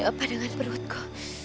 apa dengan perutku